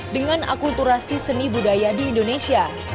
dengan akulturasi seni budaya di indonesia